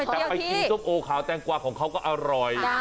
แต่ไปกินส้มโอขาวแตงกวาของเขาก็อร่อย